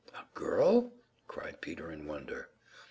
"A girl?" cried Peter, in wonder.